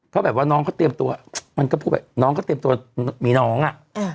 ก็แบบว่าน้องเขาเตรียมตัวมันก็พูดแบบน้องก็เตรียมตัวมีน้องอ่ะ